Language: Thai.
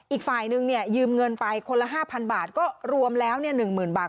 อีกฝ่ายนึงเนี่ยยืมเงินไปคนละห้าพันบาทก็รวมแล้วเนี่ยหนึ่งหมื่นบาท